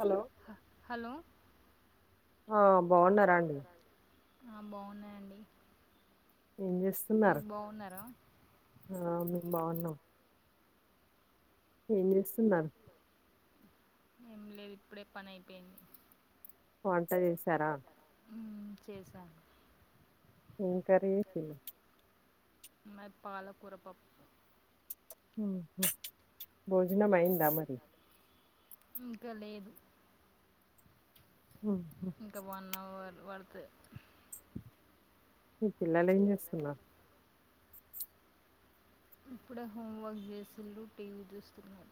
Hello hello ఆ బాగున్నారా అండి ఆ బాగున్నా అండి ఏం చేస్తున్నారు ఆ మేము బాగున్నాం ఏం చేస్తున్నారు ఏం లేదు ఇప్పుడే పని అయిపోయింది వంట చేశారా ఆ చేశాను ఏం కర్రీ చేసిర్రు మాది పాలకూర పప్పు భోజనం అయిందా మరి ఇంకా లేదు ఉహు. ఇంకా వన్ అవర్ పడతే మీ పిల్లలు ఏం చేస్తున్నారు ఇప్పుడే హోంవర్క్ చేసిల్లు టీవీ చూస్తున్నారు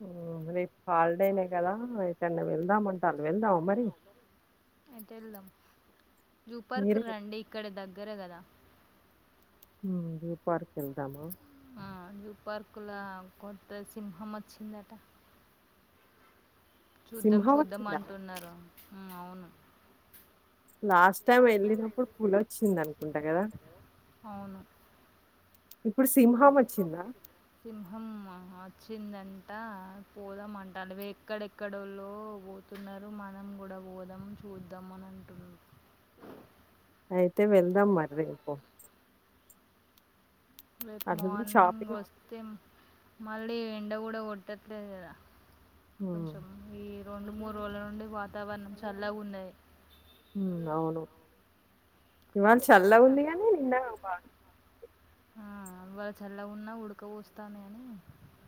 [unintelligible] హాలిడేనే కదా ఏటన్న వెళ్దాంటాళ్లు వెళ్దాము మరి అయితే వెళ్దాం జూ పార్కు మీరే చెప్ప- రండి ఇక్కడ దగ్గర కదా జూ పార్కు వెళ్దామ ఆ, జూ పార్కుల కొత్త సింహం వచ్చిందట చూద్దాం సింహం చూద్దాం వచ్చిందా అంటున్నారు అవును లాస్ట్ టైం వెళ్ళినప్పుడు పులి వచ్చింది అనుకుంటా కదా అవును ఇప్పుడు సింహం వచ్చిందా సింహం అది వచ్చిందంట పోదామంట ఎక్కడెక్కడల్లో పోతున్నారు మనం కూడా అలా పోదాం చూద్దాం అని అంటున్నారు అయితే వెళ్దాం మరి రేపు రేపు అట్లనే మార్నింగ్ షాపింగ్ వస్తే మళ్ళీ ఎండ కూడా కొట్టట్లేదు కదా కొంచెం ఈ రెండు మూడు రోజుల నుండి వాతావరణం చల్లగ ఉన్నది ఉమ్ అవును ఇవాళ చల్లగా ఉంది కానీ నిన్న బాగా ఆ, ఇవాళ చల్లగా ఉన్నా ఉడకపోస్తానే అని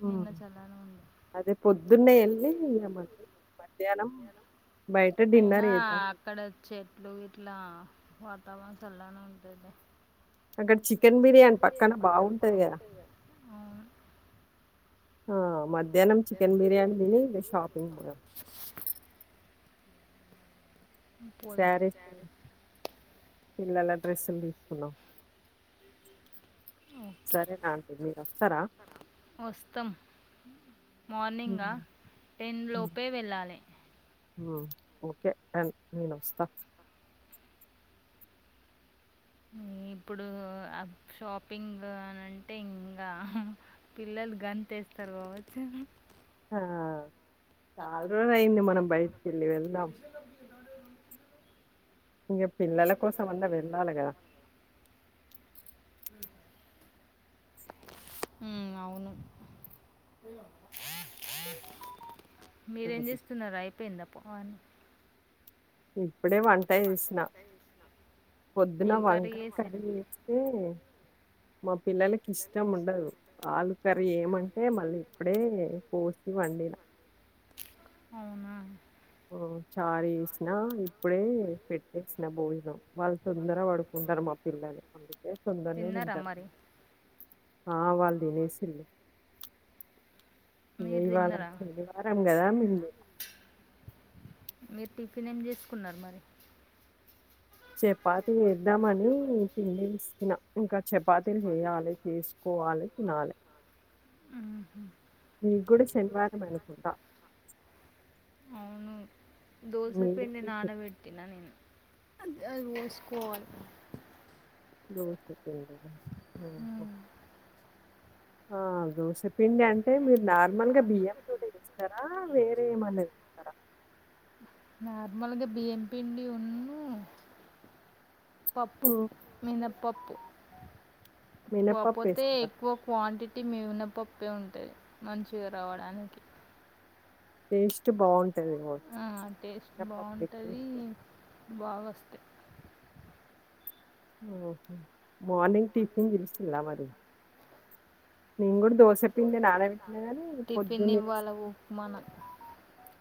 హ్మ్. నిన్న చల్లగనే ఉంది అదే అ వెళ్ళి పొద్దున్నే ఇగ వెళ్ళి మళ్ళీ మధ్యాహ్నం బయట డిన్నర్ అయినా చేద్దాం అక్కడ చెట్లు ఇట్లా వాతావరణ చల్లగా ఉంటతే అక్కడ చికెన్ బిర్యానీ పక్కన బాగుంటది కదా అవును ఆ మధ్యాహ్నం చికెన్ బిర్యానీ తిని ఇక షాపింగ్ కి పోదాం పోదాం శారీస్ పిల్లల డ్రెస్సులు తీసుకున్నాం ఓకే సరేనా అండి మీరు వస్తారా వస్తాం మార్నింగ్ ఆ టెన్ లోపే ఉమ్ వెళ్ళాలి ఓకే అండ్ నేనోస్తా [inaudible] ఇప్పుడు ఆ షాపింగ్ అని అంటే ఇంకా పిల్లలు గంతేస్తా తర్వాత ఆ చాలా రోజు అయ్యింది మనం బయటికి వెళ్ళి వెళ్దాం ఇక పిల్లల కోసం అన్నా వెళ్ళాలి గదా ప్చ్ ఉమ్ అవును మీరేం అది చేస్తున్నార్ అయిపోయిందా పో అని హ్మ్ ఇప్పుడే వంట చేసిన పొద్దున ఏం వంకాయ చేసిర్రు కర్రీ వేస్తే మా పిల్లలకి ఇష్టం ఉండదు ఆలు కర్రీ చేయమంటే మళ్ళీ ఇప్పుడే కోసి వండిన అవునా ఆ చారు వేసినా ఇప్పుడే పెట్టేసిన బోయిలో వాళ్ళు తొందర పడుకుంట టారు మా పిల్లలు అందుకే తొందరనే తిన్నారా తింటారు మరి ఆ వాళ్ళు తినేసిండ్రు ఇ మీరు ఇవాళ తిన్నారా శనివారం వారం కదా మీరు టిఫిన్ ఏం చేసుకున్నారు మరి చపాతి చేద్దామని పిండి పిసికిన ఇంకా చపాతీలు చేయాలి చేసుకోవాలి తినాలి ఉహు. మీ కూడ శనివారమే అనుకుంట దోస పిండి నానబెట్టినా నేను అంతే అ ఓస్కోలి దోశ కి హ్మ్ ఆ దోశపిండి అంటే మీరు నార్మల్ గా బియ్యం తో ఇస్తారా వేరే ఏమన్నది ఇస్తారా నార్మల్గా బియ్యం పిండి ఉన్న పప్పు హ్మ్. మినపప్పు మినపప్పు కాకపోతే ఏస్తారా? ఎక్కువ క్వాంటిటీ ఉట్టి మినపప్పే ఉంటుంది మంచిగా రావడానికి టేస్ట్ బాగుంటుంది ఆ టేస్ట్ బాగుంటది ఎక్కువేస్తే. బాగా వస్తయి హ మార్నింగ్ టిఫిన్ చేసిండ్రా మరి నేను కూడా దోశ పిండి నానబెట్టి టిఫిన్ ఇవ్వాల ఉప్మాన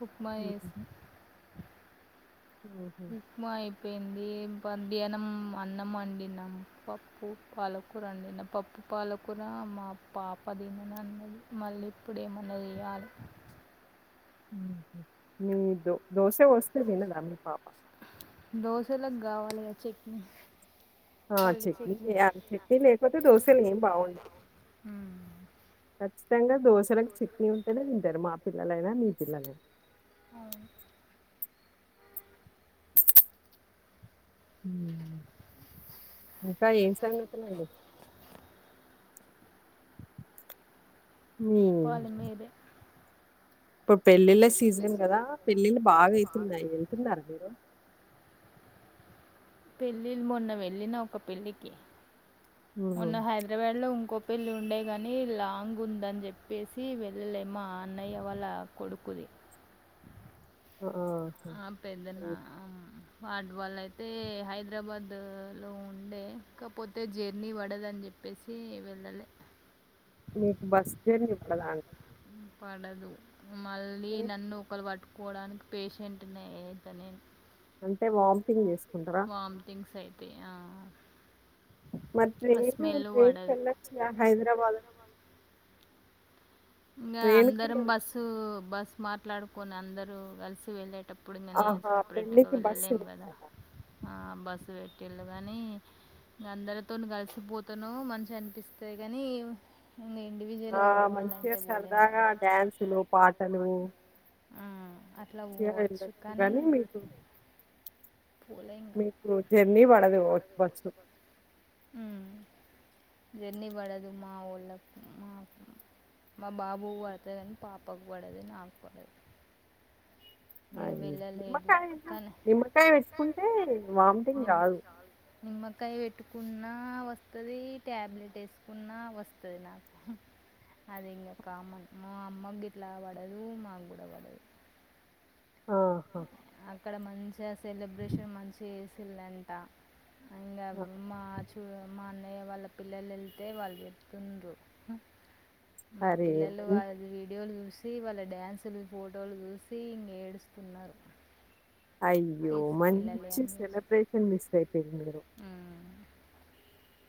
ఉప్మా హుహు. వేసి హుహు. ఉప్మా అయి పోయింది మధ్యాహ్నం అన్నం వండినం పప్పు పాలకూర వండినం పప్పు పాలకుర మా పాప తినను అన్నది మళ్ళీ ఇప్పుడు ఏమన్నా చేయాలి మీ దో దోశ పోస్తే తినదా మీ పాప దోసోలకి గావాల్గా చట్నీ ఆ పల్లి చిట్నీ చట్నీ చిట్నీ లేకపోతే దోశలు ఏం బాగుండదు ఖచ్చితంగా దోశలకు చిట్నీ ఉంటేనే తింటారు మా పిల్లలైనా మీ పిల్లలైనా అవును ఉమ్ ఇంకా ఏం సంగతులు అండి మీ చెప్పాలి మీరే ఇప్పుడు పెళ్ళిళ్ళ సీజన్ కదా పెళ్ళిళ్ళు బాగా అయితున్నాయి వెళ్తున్నారా మీరు పెళ్ళిల్ మొన్న వెళ్ళిన ఒక పెళ్ళికి హుహు. మొన్న హైదరాబాద్ లో ఇంకో పెళ్లి ఉండే కానీ లాంగ్ ఉందని చెప్పేసి వెళ్ళలే మా అన్నయ్య వాళ్ళ కొడుకుది ఆ! ఆహా! అ పెద్దన్న హ్మ్. వాట్వాల్ అయితే హైదరాబాద్ లో ఉండే కాకపోతే జర్నీ పడదని చెప్పి వేసి వెళ్ళాలే మీకు బస్ జర్నీ పడదా పడదు మళ్ళీ నన్ను ఒకలు పట్టు కోవడానికి పేషెంట్నే ఏదైనే అంటే వామిటింగ్ చేస్త వామిటింగ్స్ అయితాయి ఆ మరి ట్రైను స్మెల్ ట్రైన్స్ కు పడదు వెళ్ళోచ్చుగా హైదరాబాద్ ఇంకా ట్రైన్‌కి అందరం కూడా వెళ్ బస్సు బస్ మాట్లాడుకొని అందరూ కలిసి వెళ్ళ అప్పుడు ఇంకా నేను ఆహా! సపరేట్గా పెళ్ళికి బస్సు వెళ్ళలేం కదా పెట్టారా? ఆ బస్సు పెట్టి కాని అందరితో కలిసిపోతాను మంచి అనిపిస్తాంది కాని ఆ మంచిగా సరదాగా కదా డ్యాన్సులు పాటలు ఆ అట్లా మంచిగా పోవచ్చు వెళ్ళొచ్చు కానీ గానీ మీకు పోలే ఇంకా మీకు జర్నీ పడదు బస్సు జర్ని పడదు మా వోళ్ళకు మా మా బాబు పడుతదని పాపకు పడదు నాకు పడదు ఇంక అయ వెళ్ళలేదు నిమ్మకాయన్న కానీ నిమ్మకాయ పెట్టుకుంటే వామిటింగ్ నిమ్ రాదు నిమ్మకాయ పెట్టు కున్నా వస్తది ట్యాబ్లెట్ వేసుకున్నా వస్తది నాకు అది ఇంకా కామన్ మా అమ్మ ఇట్లా పడదు మాకు కూడా పడదు ఆహా! అక్కడ మంచిగా సెలబ్రేషన్ మంచిగా చేసిలంట ఆ మా అన్నయ్య వాళ్ళ పిల్లలు వెళ్తే వాళ్ళు చెప్తుండ్రు మా అరే! పిల్లలు మం వాళ్ళ వీడియోలు చూసి వాళ్ళ డ్యాన్సులు ఫోటోలు చూసి ఇగ ఏడు కున్నారు అయ్యో మంచి సెలబ్రేషన్ మిస్ అయిపోయిరు మీరు ఉమ్.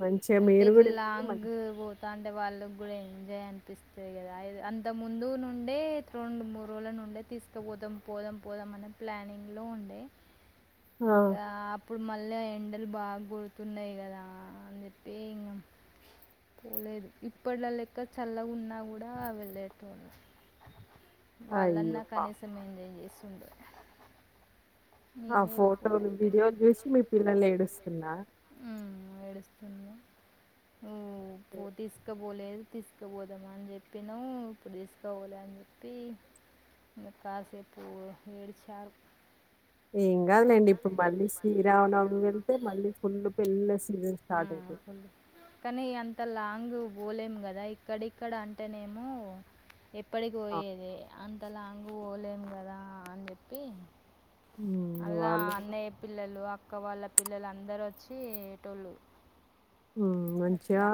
మంచిగా అంటే మీరు ఇట్లా గూడా ఎళ్తే లాంగ్ మంచి పోతా అంటే వాళ్ళకి కూడా ఏంజా య్ అనిపిస్తుంది కదా అంత ముందు నుండే రెండు మూడు రోజుల నుండే తీసుకపోతాం పోదాం పోదామన్న ప్లానింగ్ లో ఉండే ఆ! ఇంకా అప్పుడు మళ్ళీ ఎండలు బాగా కోడుతున్నాయి కదా అని చెప్పి ఇంక పోలేదు ఇప్పట్లో లెక్క చల్లగాన్నా కూడా వెళ్లేేటోళ్ళం అయ్యో! వాళ్ళన్నా పాపం. కనీసం ఎంజాయ్ చేస్త ఆ ననే వకుండా ఫోటోలు, అయిపోయినా వీడియోలు జూసి మీ పిల్లలు ఏడుస్తున్నా? ఉమ్ ఏ మ్ ఏ పో తీస్కబోలేదు. తీస్కబోదామని అని చెప్పినవ్, ఇప్పుడు తీస్కబోల అని చెప్పి ఇంగ కాసేపు ఏడిచా ఏం కాదులేండి. ఇప్పుడు మళ్ళీ శ్రీరామనవమి వెళ్తే మళ్ళీ ఫుల్ పెళ్లిల్ల సీజన్. స్టార్ట్ మ్మ్. అయితది. ఫుల్ కానీ, అంత లాంగ్ పోలేము కదా! ఇక్కడిక్కడ అంటేనేమో, ఎప్పటికి ఆ! పోయేది? అంత లాంగ్ పోలేము కదా అని చెప్పి హ్మ్. అల్లా వాళ్ళు గూడా అన్నయ్య పిల్లలు, అక్క వాళ్ళ పిల్లలందరు వచ్చిటోళ్ళు మ్ అట్లా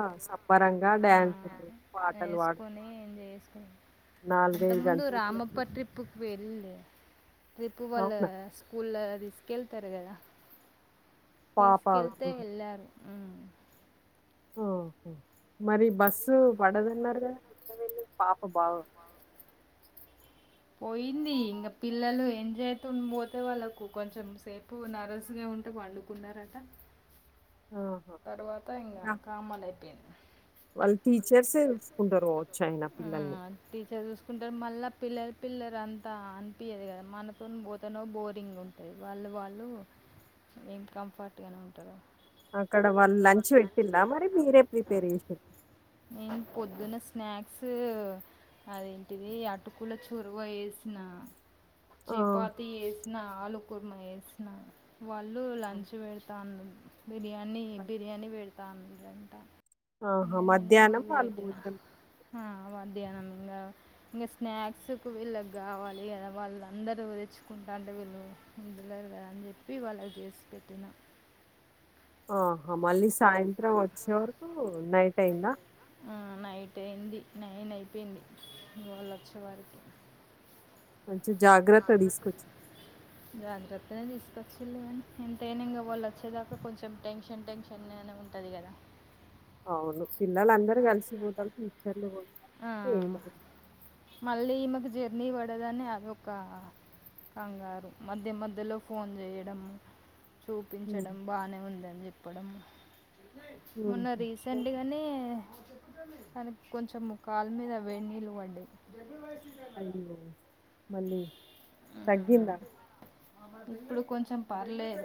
మ్ పాటలు పాడుతూ వేసుకొని ఏం చేసుకు అంతక్ ముందు గంటల రామప్ప సేపు ట్రిప్పుకి వెరిల్డి ట్రిప్పు వాళ్ళ అవునా? స్కూల్ ల తీస్ కెళ్తారు కదా! పాప తీసుకెళ్తే వెళ్ళి వెళ్ళారు. ఓహో మరి బస్సు పడదన్నారు కదా! ఎట్ట వెల్లిన్ పాప బాగ పోయింది ఇంక పిల్లలు ఎంజాయ్తోనా పోతే, వాళ్ళకు కొంచెం సేపు నర్వస్గా కుంట పండుకున్నారట. ఆహా! తర్వాత ఇంగ యాహ్! కామన్ అయిపోయింది. వాళ్ళ టీచర్స్య్ చుసుకుంటారు కావచ్చు ఐనా పిల్లల్ని. పిల్లరంతా అనిపియ్యదు కదా మనతోన పోతనో బోరింగ్ ఉంటుంది. వాళ్ళు వాళ్ళు ఏం కంఫర్ట్ గానే ఉంటరు. అక్కడ వాళ్ళు లంచ్ పెట్టిందా మరి మీరే ప్రిపేర్ చేసిర నేను పొద్దున స్నాక్స్ అదేంటిది అటుకుల చొరవ వేసిన. ఆహా! చపాతీ చేసిన, ఆలు కురుమ చేసిన. వాళ్ళు లంచ్ పెడతన్, బిర్యానీ, బిర్యానీ పెడతా అన్నరంట. ఆహా మధ్యాహ్నం వాళ్ళు భోజనం ఆ, మధ్యాహ్నం ఇంకా, ఇంగ స్నాక్స్ కు వీళ్ళకి కావాలి గద వాళ్ అందరూ తెచ్చుకున్ తింటాంటె వీళ్ళు ఉండలేరు కదా, అని చెప్పి వాళ్ళకి చేసి పెట్టినా. ఆహా మళ్ళీ సాయంత్రం వచ్చే వరకు నైట్ అయిందా? ఆ నైట్ అయింది. నైన్ అయిపోయింది, వాళ్లు వచ్చే వరికి. మంచి జాగ్రత్త తీసుకొచ్చి జాగ్రత్తనే తీస్ ఇ వచ్చిలే కానీ ఎంతైనా ఇంగ వాళ్ వచ్చేదాకా, కొంచెం టెన్షన్ టెన్షన్ గానె ఉంటుంది కదా! అవును. పిల్లలందరూ కలిసిపోతారు. టీచర్లు పో ఆ. మళ్ళీ ఈమెకు జర్నీ పడదని అదొక కంగారు. మధ్య మధ్యలో ఫోన్ చేయడం. హ్మ్. చూపించడం, బానే ఉందని చెప్పడం. మొన్న హుహు. రీసెంట్గానే తనక్ కొంచెంము కాల్ మీద వేడి నీళ్లు పడ్డాయి. అయ్యో మళ్ళీ ఆ. తగ్గిందా? ఇప్పుడు కొంచెం పర్లేదు.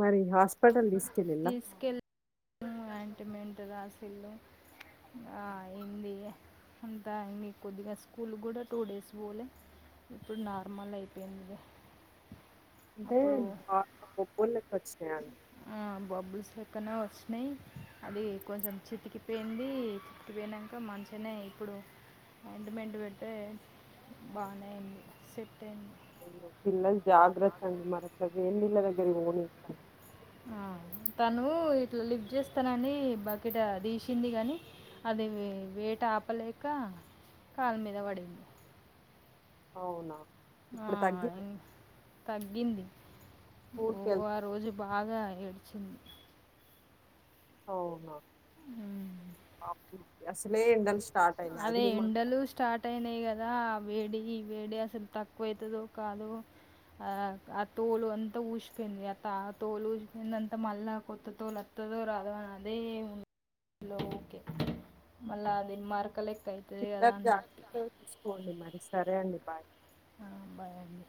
మరి హాస్పిటల్ తీస్కెళ్లిలా? మ్ అంటిమెంట్ రాసిల్లు అయిందిగ. అంతా ఇంగ కొద్దిగా స్కూల్ కూడ టూ డేస్ పోలే. ఇప్పుడు నార్మల్ అయిపోయిందిలె. అంటే కాళ్లకు బొబ్బిల్లా వచ్చేయ్ ఆ బబ్బుల్స్ లొ పక్కన వచ్చినయి అది కొంచెం చితికిపోయింది. చితికిపోయినంక మంచిగనే ఇప్పు ఆయింట్మెంట్ పెడితే బానే ఉంది సెట్ అయింది పిల్లలు జాగ్రత్త అండి మర వేడినీళ్ల దగ్గరికి పోనియకండి ఆ తను ఇట్లా లిఫ్ట్ చేస్తానని బకెట్ తీసింది గాని ఆది వైట్ ఆపలేక కాలు మీద పడింది అవునా ఆ ఇప్పుడు తగ్గిందా తగ్గింది ఓ ఆ స్కూలుకెళ్తు రోజు బాగా ఏడ్చింది అవునా ఉమ్. అవును అసలే ఎండల్ అదే ఎండలు స్టార్ట్ అయినాయి కదా వేడి వేడి అసలు తక్కువ అయితదో కాదో ఆ ఆ తోలు అంతా ఊసిపోయింది అ ఆ తోలు ఊసిపోయింది అంతా మళ్ళా కొత్త తోలు వత్త [unintelligible] పిల్లలు జాగ్రత్త చూసుకోండి మరి సరే అండి బాయ్ ఆ బాయ్ అండి